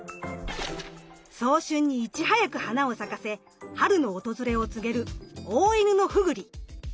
早春にいち早く花を咲かせ春の訪れを告げるオオイヌノフグリ。